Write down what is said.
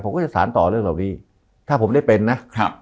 ผมก็จะสารต่อเรื่องเหล่านี้ถ้าผมได้เป็นนะครับ